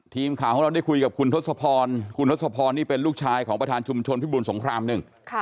ทีมข่าวของเราได้คุยกับคุณทศพรคุณทศพรนี่เป็นลูกชายของประธานชุมชนพิบูรสงครามหนึ่ง